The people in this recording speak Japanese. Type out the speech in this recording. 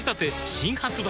新発売